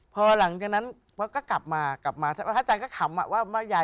พอหลังจากนั้นก็กลับกลับมา